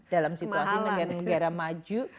dalam situasi negara maju